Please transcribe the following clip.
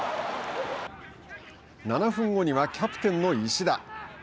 ７分後にはキャプテンの石田。